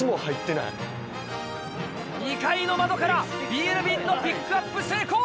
２階の窓からビール瓶のピックアップ成功！